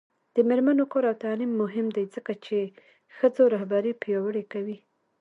د میرمنو کار او تعلیم مهم دی ځکه چې ښځو رهبري پیاوړې کوي.